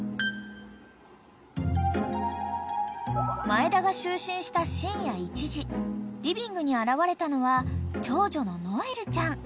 ［前田が就寝した深夜１時リビングに現れたのは長女のノエルちゃん］